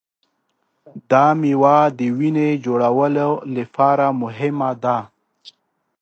دا مېوه د وینې جوړولو لپاره مهمه ده.